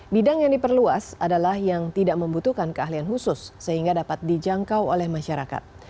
bidang yang diperluas adalah yang tidak membutuhkan keahlian khusus sehingga dapat dijangkau oleh masyarakat